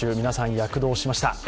皆さん、躍動しました。